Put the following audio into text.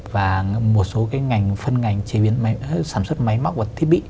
và một số cái ngành phân ngành chế biến sản xuất máy móc và thiết bị